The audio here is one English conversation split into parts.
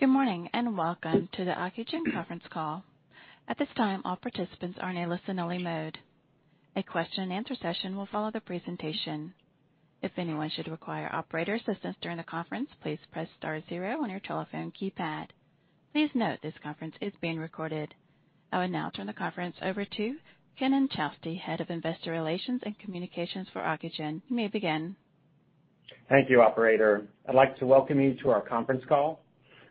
Good morning, and welcome to the Ocugen conference call. At this time, all participants are in listen-only mode, a question and answer session will follow the presentation. If anyone should require operator assistance during the conference, please press star zero on your telephone keypad. Please note this conference is being recorded. I will now turn the conference over to Ken Inchausti, Head of Investor Relations and Communications for Ocugen. You may begin. Thank you, operator. I'd like to welcome you to our conference call.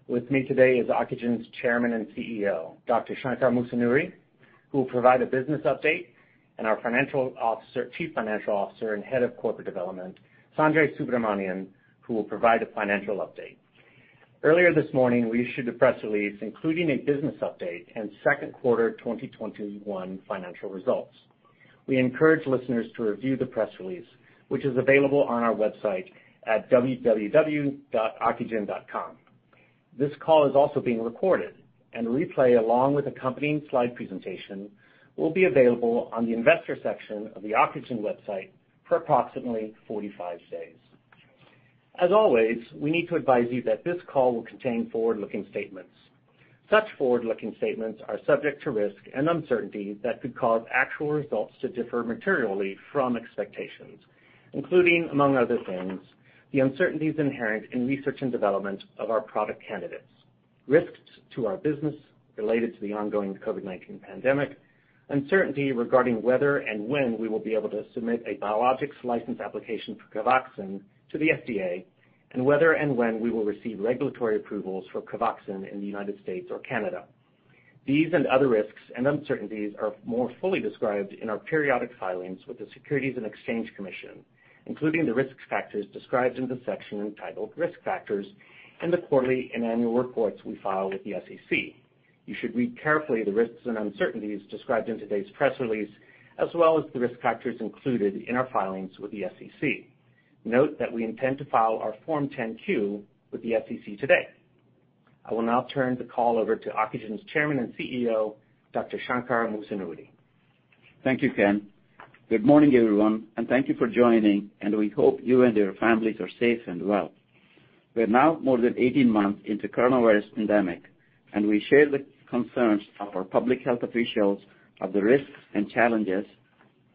With me today is Ocugen's Chairman and CEO, Dr. Shankar Musunuri, who will provide a business update, and our Chief Financial Officer and Head of Corporate Development, Sanjay Subramanian, who will provide a financial update. Earlier this morning, we issued a press release including a business update and second quarter 2021 financial results. We encourage listeners to review the press release, which is available on our website at www.ocugen.com. This call is also being recorded, and a replay, along with accompanying slide presentation, will be available on the investor section of the Ocugen website for approximately 45 days. As always, we need to advise you that this call will contain forward-looking statements. Such forward-looking statements are subject to risks and uncertainties that could cause actual results to differ materially from expectations, including, among other things, the uncertainties inherent in research and development of our product candidates, risks to our business related to the ongoing COVID-19 pandemic, uncertainty regarding whether and when we will be able to submit a Biologics License Application for COVAXIN to the FDA, and whether and when we will receive regulatory approvals for COVAXIN in the United States or Canada. These and other risks and uncertainties are more fully described in our periodic filings with the Securities and Exchange Commission, including the risk factors described in the section entitled "Risk Factors" in the quarterly and annual reports we file with the SEC. You should read carefully the risks and uncertainties described in today's press release, as well as the risk factors included in our filings with the SEC. Note that we intend to file our Form 10-Q with the SEC today. I will now turn the call over to Ocugen's Chairman and CEO, Dr. Shankar Musunuri. Thank you, Ken. Good morning, everyone. Thank you for joining. We hope you and your families are safe and well. We are now more than 18 months into coronavirus pandemic. We share the concerns of our public health officials of the risks and challenges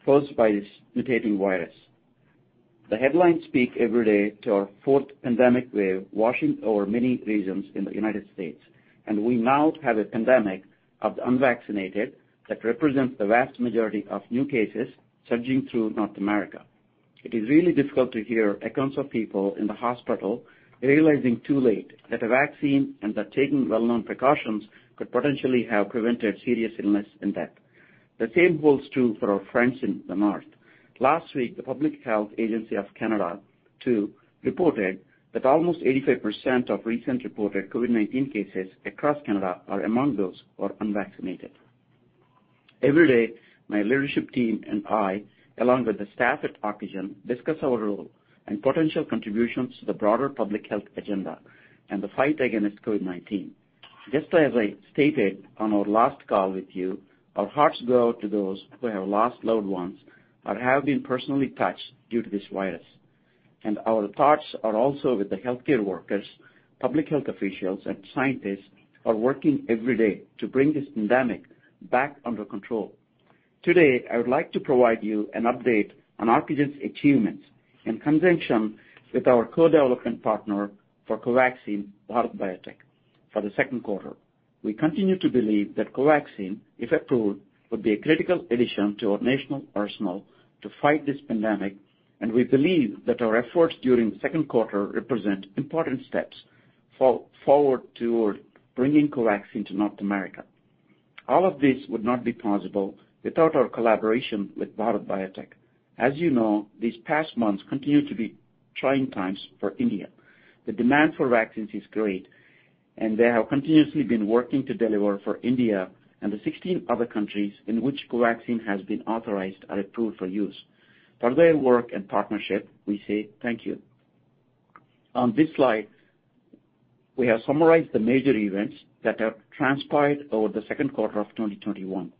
posed by this mutating virus. The headlines speak every day to our fourth pandemic wave washing over many regions in the United States. We now have a pandemic of the unvaccinated that represents the vast majority of new cases surging through North America. It is really difficult to hear accounts of people in the hospital realizing too late that a vaccine and that taking well-known precautions could potentially have prevented serious illness and death. The same holds true for our friends in the north. Last week, the Public Health Agency of Canada, too, reported that almost 85% of recent reported COVID-19 cases across Canada are among those who are unvaccinated. Every day, my leadership team and I, along with the staff at Ocugen, discuss our role and potential contributions to the broader public health agenda and the fight against COVID-19. Just as I stated on our last call with you, our hearts go out to those who have lost loved ones or have been personally touched due to this virus. Our thoughts are also with the healthcare workers, public health officials, and scientists who are working every day to bring this pandemic back under control. Today, I would like to provide you an update on Ocugen's achievements in conjunction with our co-development partner for COVAXIN, Bharat Biotech, for the second quarter. We continue to believe that COVAXIN, if approved, would be a critical addition to our national arsenal to fight this pandemic, and we believe that our efforts during the second quarter represent important steps forward toward bringing COVAXIN to North America. All of this would not be possible without our collaboration with Bharat Biotech. As you know, these past months continue to be trying times for India. The demand for vaccines is great, and they have continuously been working to deliver for India and the 16 other countries in which COVAXIN has been authorized or approved for use. For their work and partnership, we say thank you. On this slide, we have summarized the major events that have transpired over the second quarter of 2021.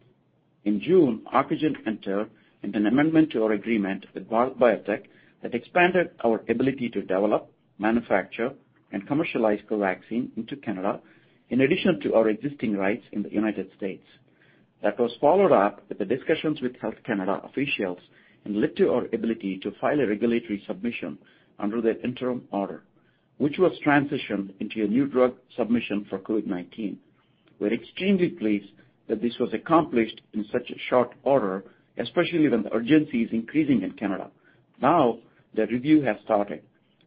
In June, Ocugen entered into an amendment to our agreement with Bharat Biotech that expanded our ability to develop, manufacture, and commercialize COVAXIN into Canada, in addition to our existing rights in the United States. That was followed up with the discussions with Health Canada officials and led to our ability to file a regulatory submission under their interim order, which was transitioned into a new drug submission for COVID-19. We're extremely pleased that this was accomplished in such a short order, especially when the urgency is increasing in Canada. Now their review has started.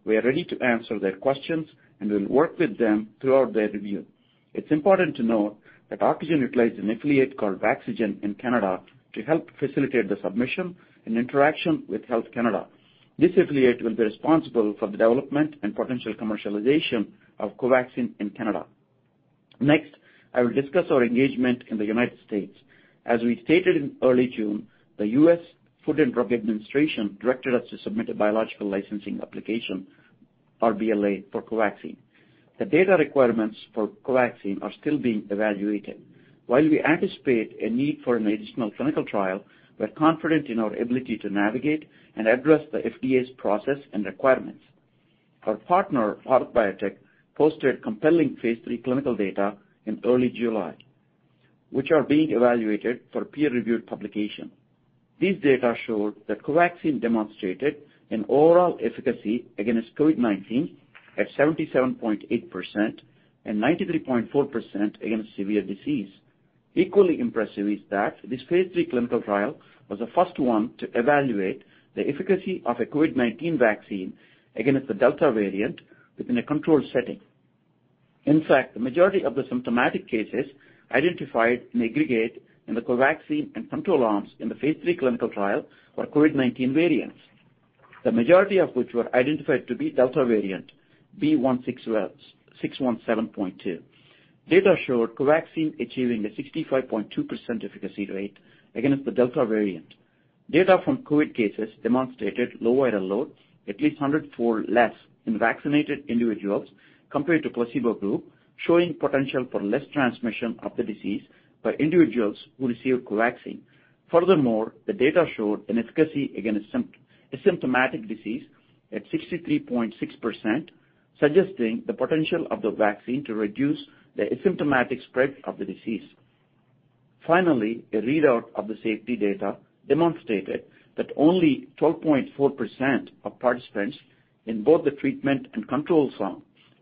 We are ready to answer their questions and will work with them throughout their review. It's important to note that Ocugen utilized an affiliate called Vaccigen in Canada to help facilitate the submission and interaction with Health Canada. This affiliate will be responsible for the development and potential commercialization of COVAXIN in Canada. Next, I will discuss our engagement in the United States. As we stated in early June, the U.S. Food and Drug Administration directed us to submit a Biologics License application, or BLA, for COVAXIN. The data requirements for COVAXIN are still being evaluated. While we anticipate a need for an additional clinical trial, we're confident in our ability to navigate and address the FDA's process and requirements. Our partner, Bharat Biotech, posted compelling phase III clinical data in early July, which are being evaluated for peer-reviewed publication. These data showed that COVAXIN demonstrated an overall efficacy against COVID-19 at 77.8% and 93.4% against severe disease. Equally impressive is that this phase III clinical trial was the first one to evaluate the efficacy of a COVID-19 vaccine against the Delta variant within a controlled setting. In fact, the majority of the symptomatic cases identified in aggregate in the COVAXIN and control arms in the phase III clinical trial were COVID-19 variants, the majority of which were identified to be Delta variant B.1.617.2. Data showed COVAXIN achieving a 65.2% efficacy rate against the Delta variant. Data from COVID cases demonstrated lower viral load, at least 100-fold less in vaccinated individuals compared to placebo group, showing potential for less transmission of the disease by individuals who received COVAXIN. Furthermore, the data showed an efficacy against asymptomatic disease at 63.6%, suggesting the potential of the vaccine to reduce the asymptomatic spread of the disease. Finally, a readout of the safety data demonstrated that only 12.4% of participants in both the treatment and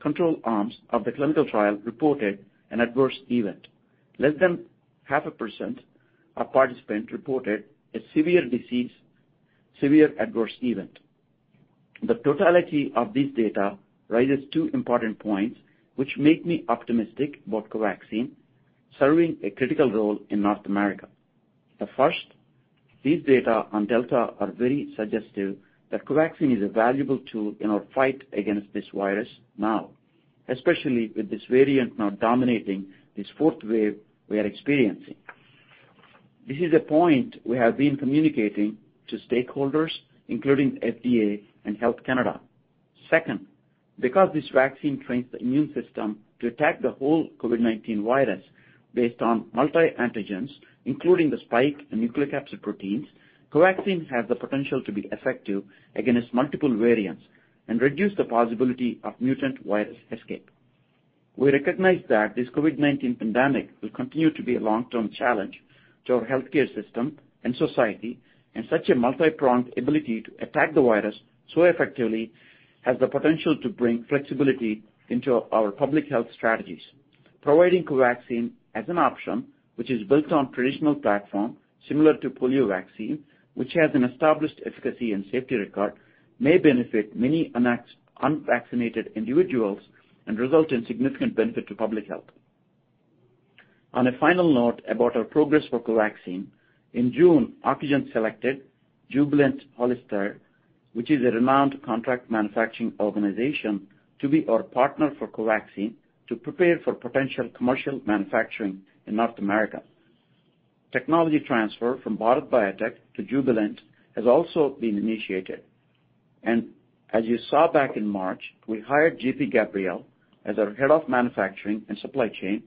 control arms of the clinical trial reported an adverse event. Less than 0.5% of participants reported a severe adverse event. The totality of this data raises two important points which make me optimistic about COVAXIN serving a critical role in North America. The first, these data on Delta are very suggestive that COVAXIN is a valuable tool in our fight against this virus now, especially with this variant now dominating this fourth wave we are experiencing. This is a point we have been communicating to stakeholders, including FDA and Health Canada. Second, because this vaccine trains the immune system to attack the whole COVID-19 virus based on multi-antigens, including the spike and nucleocapsid proteins, COVAXIN has the potential to be effective against multiple variants and reduce the possibility of mutant virus escape. We recognize that this COVID-19 pandemic will continue to be a long-term challenge to our healthcare system and society, and such a multi-pronged ability to attack the virus so effectively has the potential to bring flexibility into our public health strategies. Providing COVAXIN as an option, which is built on traditional platform similar to polio vaccine, which has an established efficacy and safety record, may benefit many unvaccinated individuals and result in significant benefit to public health. On a final note about our progress for COVAXIN, in June, Ocugen selected Jubilant Hollister, which is a renowned contract manufacturing organization, to be our partner for COVAXIN to prepare for potential commercial manufacturing in North America. Technology transfer from Bharat Biotech to Jubilant has also been initiated. As you saw back in March, we hired J.P. Gabriel as our Head of Manufacturing and Supply Chain,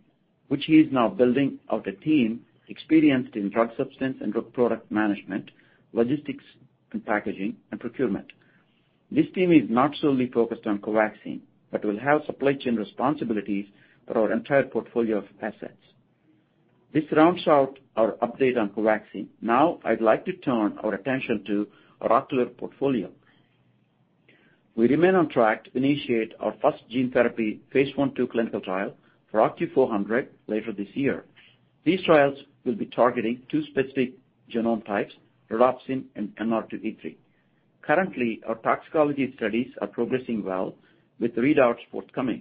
which he is now building out a team experienced in drug substance and drug product management, logistics and packaging, and procurement. This team is not solely focused on COVAXIN, but will have supply chain responsibilities for our entire portfolio of assets. This rounds out our update on COVAXIN. I'd like to turn our attention to our ocular portfolio. We remain on track to initiate our first gene therapy phase I/II clinical trial for OCU400 later this year. These trials will be targeting two specific genome types, rhodopsin and NR2E3. Currently, our toxicology studies are progressing well with readouts forthcoming.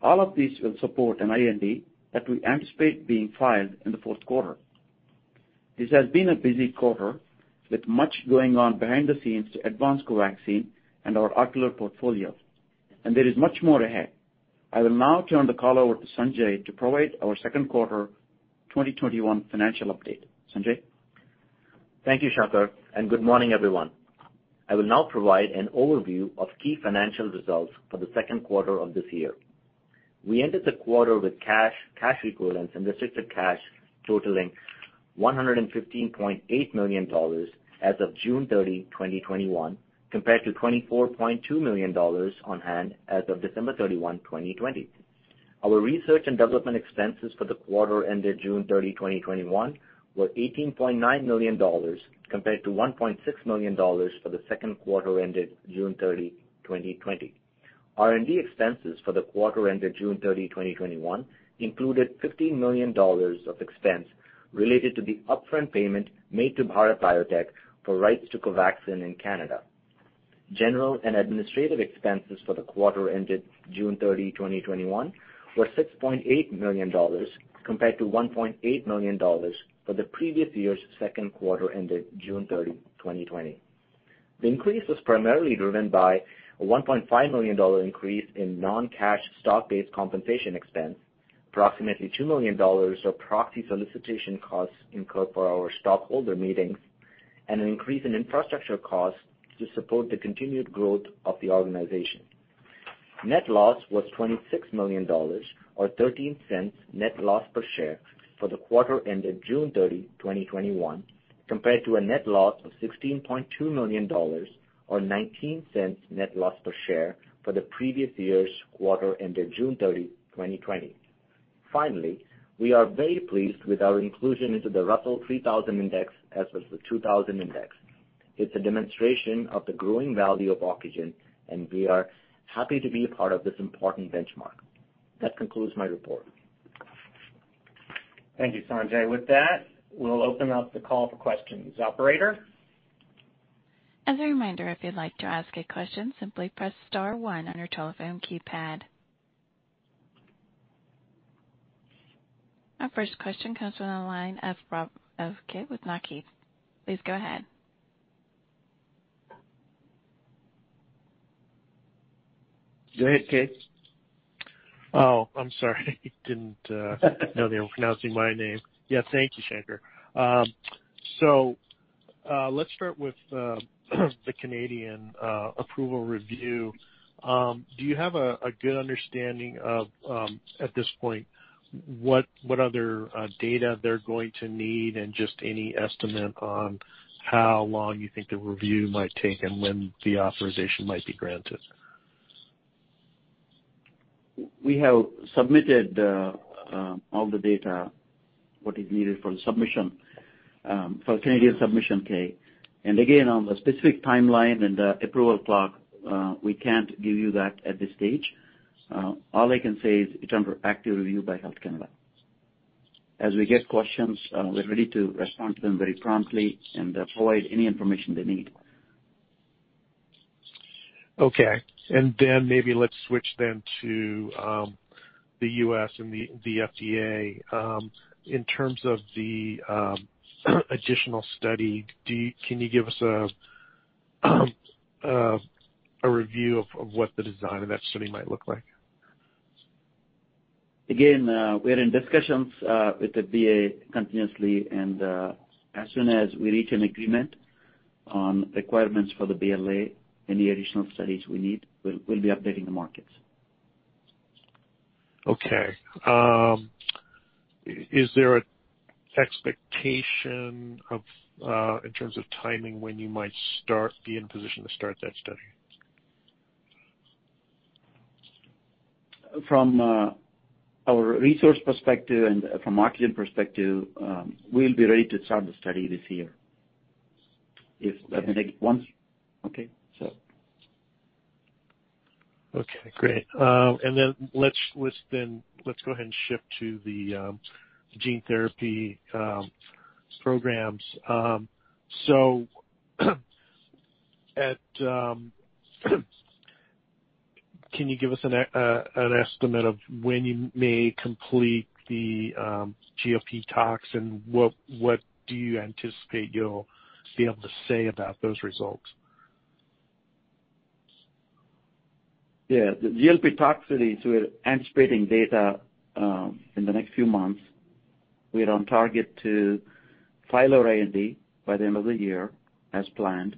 All of these will support an IND that we anticipate being filed in the fourth quarter. This has been a busy quarter with much going on behind the scenes to advance COVAXIN and our ocular portfolio, and there is much more ahead. I will now turn the call over to Sanjay to provide our second quarter 2021 financial update. Sanjay? Thank you, Shankar, and good morning, everyone. I will now provide an overview of key financial results for the second quarter of this year. We ended the quarter with cash equivalents, and restricted cash totaling $115.8 million as of June 30, 2021, compared to $24.2 million on hand as of December 31, 2020. Our research and development expenses for the quarter ended June 30, 2021, were $18.9 million, compared to $1.6 million for the second quarter ended June 30, 2020. R&D expenses for the quarter ended June 30, 2021, included $15 million of expense related to the upfront payment made to Bharat Biotech for rights to COVAXIN in Canada. General and administrative expenses for the quarter ended June 30, 2021, were $6.8 million, compared to $1.8 million for the previous year's second quarter ended June 30, 2020. The increase was primarily driven by a $1.5 million increase in non-cash stock-based compensation expense, approximately $2 million of proxy solicitation costs incurred for our stockholder meetings, and an increase in infrastructure costs to support the continued growth of the organization. Net loss was $26 million, or $0.13 net loss per share for the quarter ended June 30, 2021, compared to a net loss of $16.2 million, or $0.19 net loss per share for the previous year's quarter ended June 30, 2020. Finally, we are very pleased with our inclusion into the Russell 3000 Index, as with the 2000 Index. It's a demonstration of the growing value of Ocugen, and we are happy to be a part of this important benchmark. That concludes my report. Thank you, Sanjay. With that, we'll open up the call for questions. Operator? As a reminder, if you'd like to ask a question, simply press star one on your telephone keypad. Our first question comes from the line of Keay Nakae. Please go ahead. Go ahead, Keay. Oh, I'm sorry. Didn't know they were pronouncing my name. Yeah, thank you, Shankar. Let's start with the Canadian approval review. Do you have a good understanding of, at this point, what other data they're going to need and just any estimate on how long you think the review might take and when the authorization might be granted? We have submitted all the data, what is needed for the submission, for the Canadian submission, Keay. Again, on the specific timeline and the approval clock, we can't give you that at this stage. All I can say is it's under active review by Health Canada. As we get questions, we're ready to respond to them very promptly and provide any information they need. Okay. Maybe let's switch then to the U.S. and the FDA. In terms of the additional study, can you give us a review of what the design of that study might look like? We are in discussions with the BLA continuously, and as soon as we reach an agreement on requirements for the BLA, any additional studies we need, we'll be updating the markets. Okay. Is there an expectation in terms of timing when you might be in position to start that study? From our resource perspective and from Ocugen perspective, we'll be ready to start the study this year. Okay. Once. Okay. So. Okay, great. Let's go ahead and shift to the gene therapy programs. Can you give us an estimate of when you may complete the GLP tox, and what do you anticipate you'll be able to say about those results? Yeah. The GLP tox studies, we're anticipating data in the next few months. We are on target to file our IND by the end of the year as planned.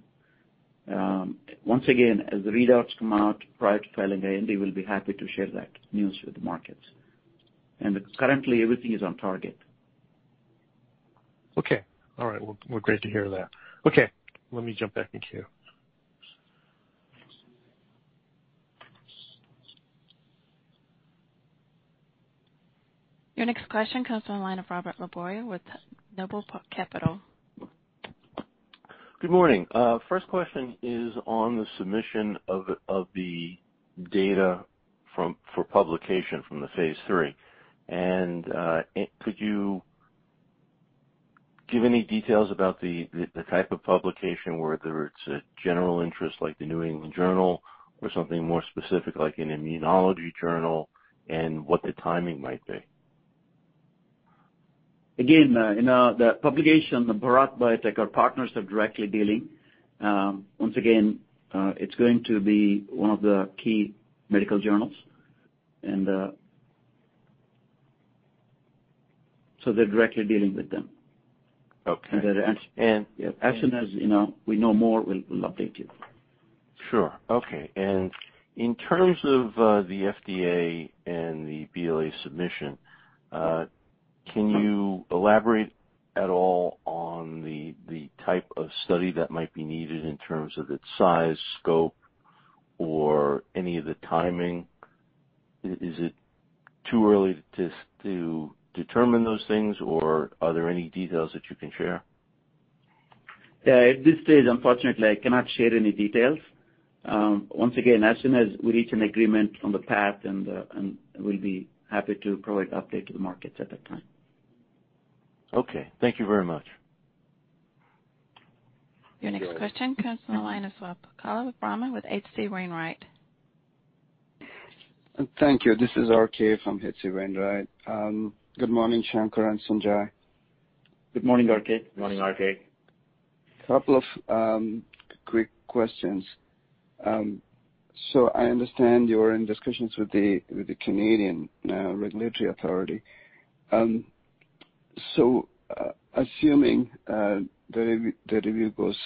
Once again, as the readouts come out prior to filing IND, we'll be happy to share that news with the markets. Currently, everything is on target. Okay. All right. Well, great to hear that. Okay, let me jump back in queue. Your next question comes from the line of Robert LeBoyer with Noble Capital. Good morning. First question is on the submission of the data for publication from the phase III. Could you give any details about the type of publication, whether it's a general interest like The New England Journal or something more specific like an immunology journal, and what the timing might be? The publication, Bharat Biotech, our partners are directly dealing. It's going to be one of the key medical journals. They're directly dealing with them. Okay. As soon as we know more, we'll update you. Sure. Okay. In terms of the FDA and the BLA submission, can you elaborate at all on the type of study that might be needed in terms of its size, scope, or any of the timing? Is it too early to determine those things, or are there any details that you can share? At this stage, unfortunately, I cannot share any details. Once again, as soon as we reach an agreement on the path, we'll be happy to provide update to the markets at that time. Okay. Thank you very much. Your next question comes from the line of Swayampakula Ramakanth with H.C. Wainwright. Thank you. This is R.K. from H.C. Wainwright. Good morning, Shankar and Sanjay. Good morning, R.K. Morning, R.K. Couple of quick questions. I understand you're in discussions with the Canadian regulatory authority. Assuming the review goes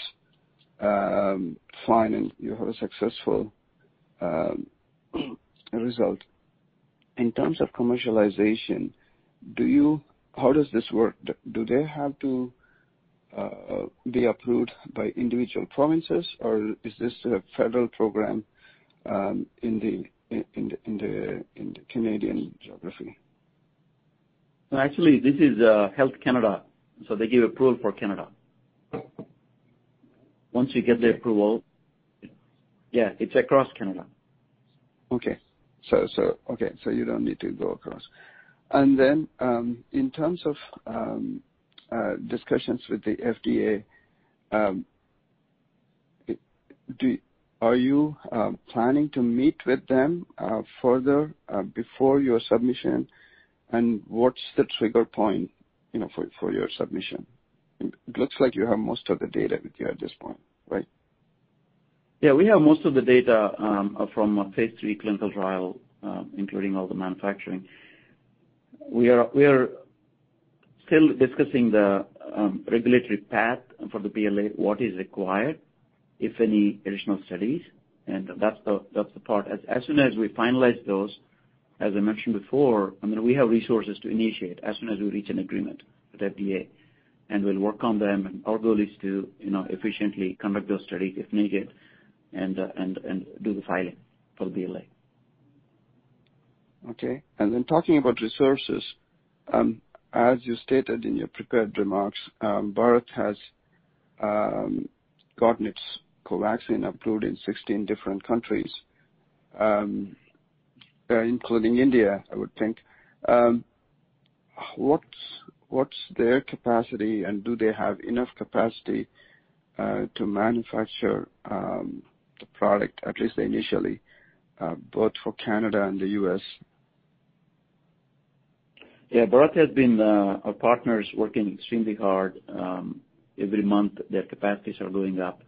fine and you have a successful result, in terms of commercialization, how does this work? Do they have to be approved by individual provinces, or is this a federal program in the Canadian geography? Actually, this is Health Canada. They give approval for Canada. Once you get the approval, yeah, it's across Canada. Okay. You don't need to go across. In terms of discussions with the FDA, are you planning to meet with them further before your submission, and what's the trigger point for your submission? It looks like you have most of the data with you at this point, right? Yeah, we have most of the data from our phase III clinical trial, including all the manufacturing. We are still discussing the regulatory path for the BLA, what is required, if any additional studies. That's the part. As soon as we finalize those, as I mentioned before, we have resources to initiate as soon as we reach an agreement with FDA, and we'll work on them, and our goal is to efficiently conduct those studies if needed and do the filing for BLA. Okay. Talking about resources, as you stated in your prepared remarks, Bharat has gotten its COVAXIN approved in 16 different countries, including India, I would think. What's their capacity, and do they have enough capacity to manufacture the product, at least initially, both for Canada and the U.S.? Yeah, Bharat has been our partners working extremely hard. Every month their capacities are going up.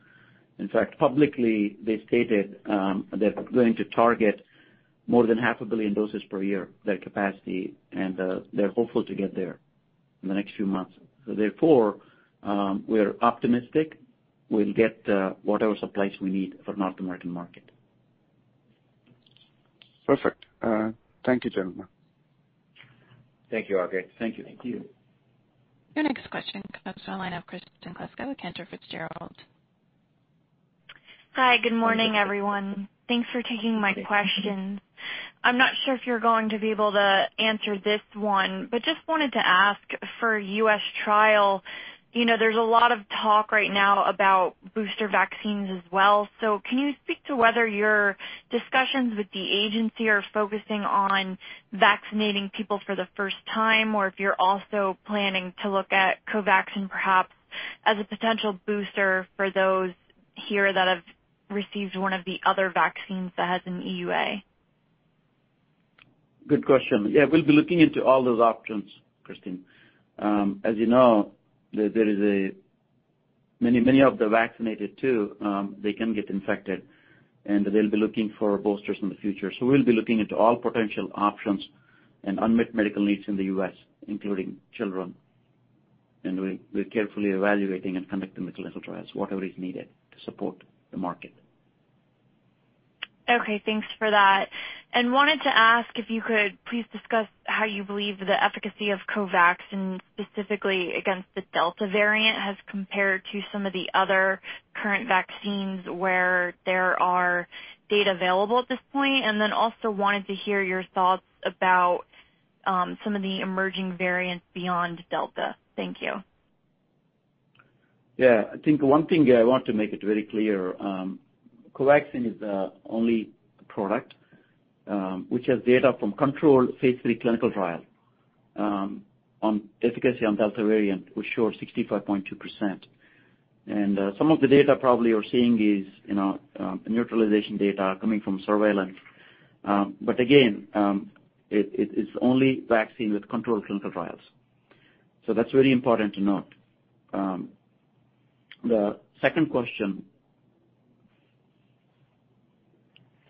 In fact, publicly, they stated they're going to target more than 500,000,000 doses per year, their capacity, and they're hopeful to get there in the next few months. Therefore, we're optimistic we'll get whatever supplies we need for North American market. Perfect. Thank you, gentlemen. Thank you, R.K. Thank you. Thank you. Your next question comes from the line of Kristen Kluska with Cantor Fitzgerald. Hi, good morning, everyone. Thanks for taking my question. Just wanted to ask for U.S. trial, there's a lot of talk right now about booster vaccines as well. Can you speak to whether your discussions with the agency are focusing on vaccinating people for the first time, or if you're also planning to look at COVAXIN perhaps as a potential booster for those here that have received one of the other vaccines that has an EUA? Good question. Yeah, we'll be looking into all those options, Kristen. As you know, many of the vaccinated too, they can get infected, and they'll be looking for boosters in the future. We'll be looking into all potential options and unmet medical needs in the U.S., including children. We're carefully evaluating and conducting the clinical trials, whatever is needed to support the market. Okay, thanks for that. Wanted to ask if you could please discuss how you believe the efficacy of COVAXIN, specifically against the Delta variant, has compared to some of the other current vaccines where there are data available at this point, and then also wanted to hear your thoughts about some of the emerging variants beyond Delta. Thank you. Yeah. I think one thing I want to make it very clear, COVAXIN is the only product which has data from controlled phase III clinical trial on efficacy on Delta variant, which showed 65.2%. Some of the data probably you're seeing is neutralization data coming from surveillance. Again, it is only vaccine with controlled clinical trials. That's very important to note. The second question.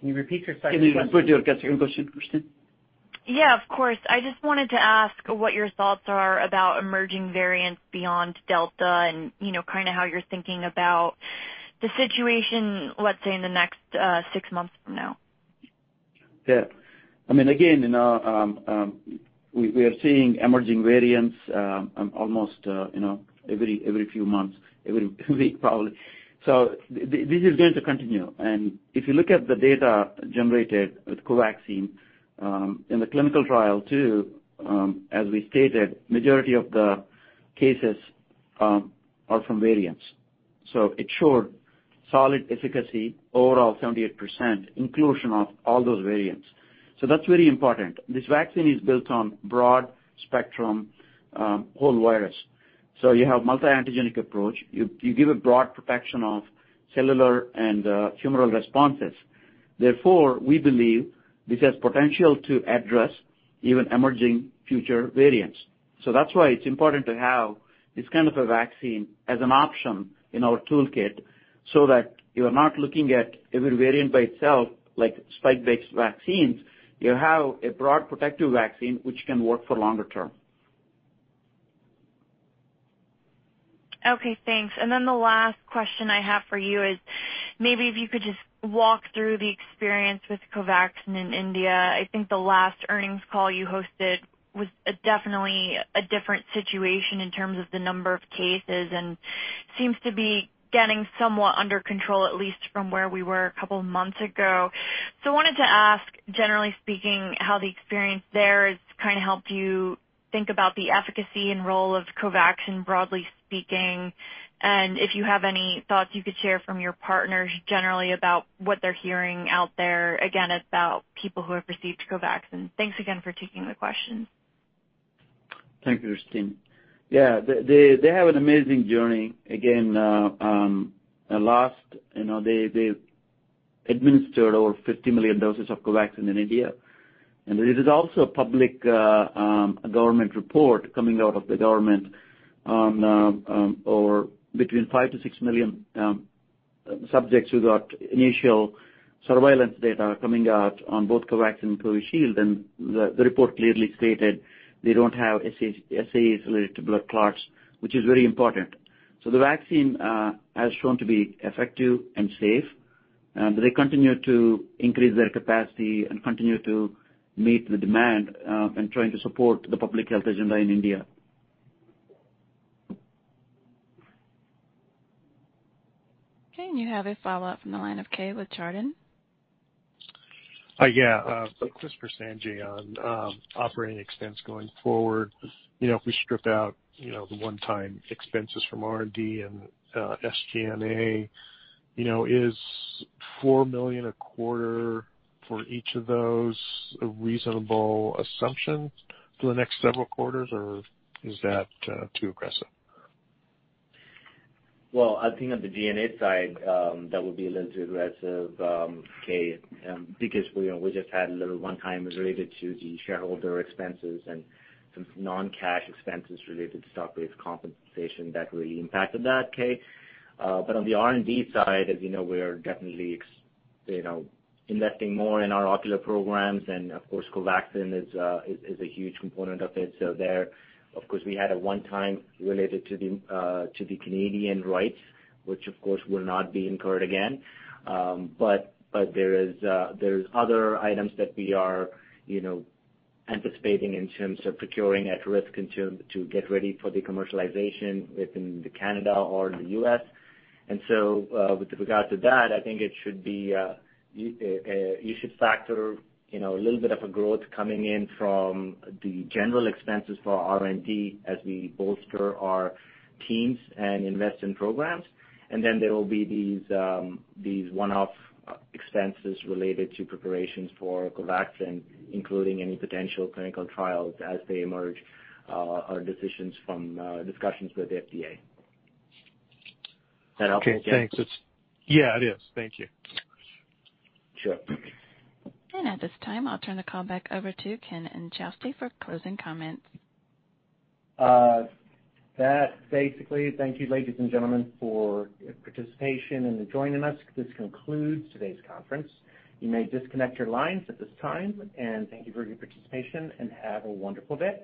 Can you repeat your second question? Can you repeat your second question, Kristen? Of course. I just wanted to ask what your thoughts are about emerging variants beyond Delta and how you're thinking about the situation, let's say, in the next six months from now? Yeah. We are seeing emerging variants almost every few months, every week probably. This is going to continue. If you look at the data generated with COVAXIN in the clinical trial too, as we stated, majority of the cases are from variants. It showed solid efficacy, overall 78%, inclusion of all those variants. That's very important. This vaccine is built on broad spectrum whole virus. You have multi-antigenic approach. You give a broad protection of cellular and humoral responses. Therefore, we believe this has potential to address even emerging future variants. That's why it's important to have this kind of a vaccine as an option in our toolkit. That you are not looking at every variant by itself, like spike-based vaccines. You have a broad protective vaccine which can work for longer term. Okay, thanks. The last question I have for you is, maybe if you could just walk through the experience with COVAXIN in India. I think the last earnings call you hosted was definitely a different situation in terms of the number of cases, and seems to be getting somewhat under control, at least from where we were a couple of months ago. I wanted to ask, generally speaking, how the experience there has kind of helped you think about the efficacy and role of COVAXIN, broadly speaking, and if you have any thoughts you could share from your partners generally about what they're hearing out there, again, about people who have received COVAXIN. Thanks again for taking the question. Thank you, Kristen. They have an amazing journey. Again, last, they administered over 50 million doses of COVAXIN in India, and it is also a public government report coming out of the government, between 5 million-6 million subjects who got initial surveillance data coming out on both COVAXIN and COVISHIELD, and the report clearly stated they don't have SAEs related to blood clots, which is very important. The vaccine has shown to be effective and safe. They continue to increase their capacity and continue to meet the demand, and trying to support the public health agenda in India. Okay. You have a follow-up from the line of Keay with Chardan. Yeah. Just for Sanjay on operating expense going forward. If we strip out the one-time expenses from R&D and SG&A, is $4 million a quarter for each of those a reasonable assumption for the next several quarters, or is that too aggressive? I think on the G&A side, that would be a little too aggressive, Keay, because we just had a little one-time related to the shareholder expenses and some non-cash expenses related to stock-based compensation that really impacted that, Keay. On the R&D side, as you know, we are definitely investing more in our ocular programs, and of course, COVAXIN is a huge component of it. There, of course, we had a one-time related to the Canadian rights, which of course will not be incurred again. There's other items that we are anticipating in terms of procuring at-risk to get ready for the commercialization within the Canada or the U.S. With regards to that, I think you should factor a little bit of a growth coming in from the general expenses for R&D as we bolster our teams and invest in programs. There will be these one-off expenses related to preparations for COVAXIN, including any potential clinical trials as they emerge, or decisions from discussions with the FDA. That helpful, Keay? Okay, thanks. Yeah, it is. Thank you. Sure. At this time, I'll turn the call back over to Ken Inchausti for closing comments. That basically, thank you, ladies and gentlemen, for your participation and joining us. This concludes today's conference. You may disconnect your lines at this time, and thank you for your participation and have a wonderful day.